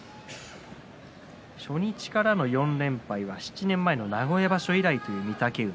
初日からの４連敗は７年前の名古屋場所以来という御嶽海。